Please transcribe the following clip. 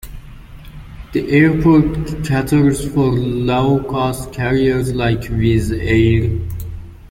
The airport caters for low cost carriers like Wizz Air.